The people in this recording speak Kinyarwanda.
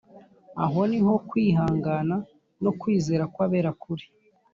Aho niho kwihangana no kwizera kw abera kuri